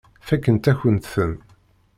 Fakkent-akent-ten.